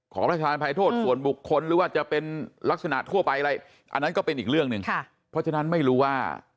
พระราชทานภัยโทษส่วนบุคคลหรือว่าจะเป็นลักษณะทั่วไปอะไรอันนั้นก็เป็นอีกเรื่องหนึ่งเพราะฉะนั้นไม่รู้ว่า